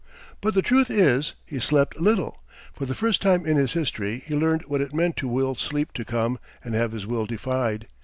But the truth is, he slept little. For the first time in his history he learned what it meant to will sleep to come and have his will defied.